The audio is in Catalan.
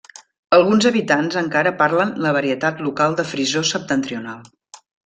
Alguns habitants encara parlen la varietat local de frisó septentrional.